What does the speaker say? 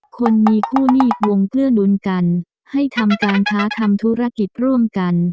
คนมีคู่หนี้วงเกื้อนุนกันให้ทำการค้าทำธุรกิจร่วมกัน